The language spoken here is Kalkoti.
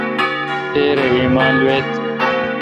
پپرہ ایمال ویت۔